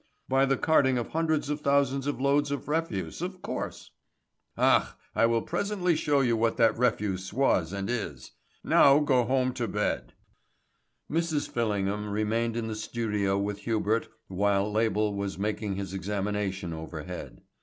"By the carting of hundreds of thousands of loads of refuse, of course." "Ach, I will presently show you what that refuse was and is. Now go home to bed." Mrs. Fillingham remained in the studio with Hubert whilst Label was making his examination overhead.